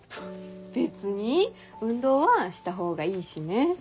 別に運動はしたほうがいいしね。